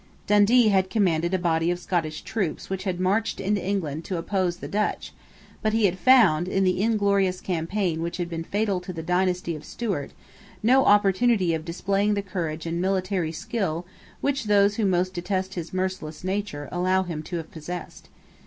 Dundee had commanded a body of Scottish troops which had marched into England to oppose the Dutch: but he had found, in the inglorious campaign which had been fatal to the dynasty of Stuart, no opportunity of displaying the courage and military skill which those who most detest his merciless nature allow him to have possessed.